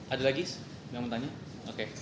ada lagi yang mau tanya oke